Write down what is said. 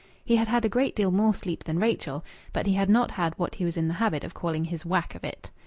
He had had a great deal more sleep than Rachel, but he had not had what he was in the habit of calling his "whack" of it.